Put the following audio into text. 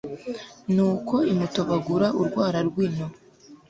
Nuko imutobagura urwara rw,ino